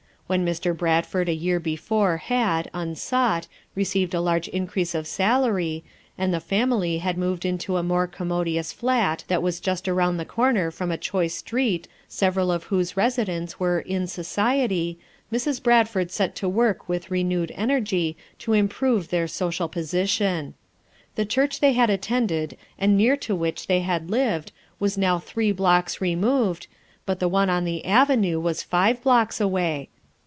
When Mr. Bradford a year before had, unsought, received a largo increase of salary, and the family had moved into a more commodious flat that was just around the corner from a choice street several of whose residents were "in society" Mrs. Bradford set to work with renewed energy to improve their social position. The church they had attended and near to which they had lived was now three blocks removed, but the one on the avenue was five blocks away.